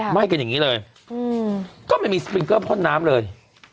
ไหม้กันอย่างนี้เลยก็ไม่มีสปริงเกอร์พ่นน้ำเลย